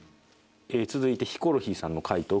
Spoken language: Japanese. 続いてヒコロヒーさんの回答